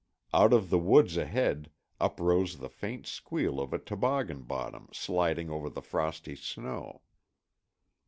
Out of the woods ahead uprose the faint squeal of a toboggan bottom sliding over the frosty snow.